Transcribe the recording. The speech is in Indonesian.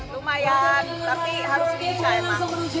lumayan tapi harus beri cahaya